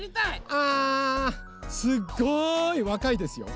あすごいわかいですよ。